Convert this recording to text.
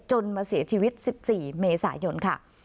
มาเสียชีวิต๑๔เมษายนค่ะ